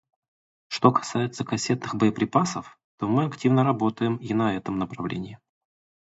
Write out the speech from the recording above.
Что касается кассетных боеприпасов, то мы активно работаем и на этом направлении.